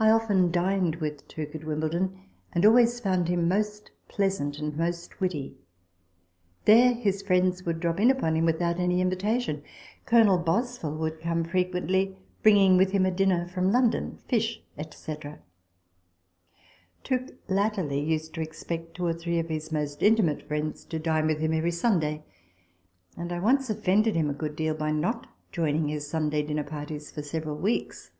I often dined with Tooke at Wimbledon ; and always found him most pleasant and most witty. There his friends would drop in upon him without any invitation : Colonel Bosville would come fre TABLE TALK OF SAMUEL ROGERS 91 quently, bringing with him a dinner from London fish, &c. Tooke latterly used to expect two or three of his most intimate friends to dine with him every Sunday ; and I once offended him a good deal by not joining his Sunday dinner parties for several weeks.